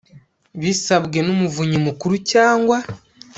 Bisabwe n Umuvunyi Mukuru cyangwa